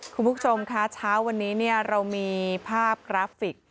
คุณผู้ชมคะเช้าวันนี้เรามีภาพกราฟิก